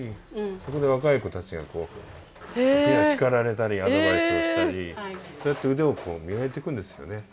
そこで若い子たちがこう時には叱られたりアドバイスをしたりそうやって腕をこう磨いていくんですよね。